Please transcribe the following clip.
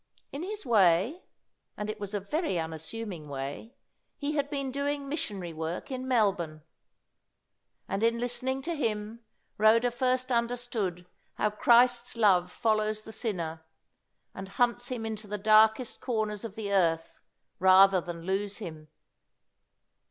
In his way and it was a very unassuming way he had been doing missionary work in Melbourne. And in listening to him Rhoda first understood how Christ's love follows the sinner, and hunts him into the darkest corners of the earth rather than lose him.